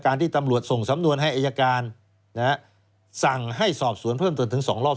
ที่ตำรวจส่งสำนวนให้อายการนะฮะสั่งให้สอบสวนเพิ่มเติมถึง๒รอบ